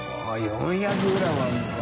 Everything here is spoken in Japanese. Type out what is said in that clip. △４００ｇあるのか。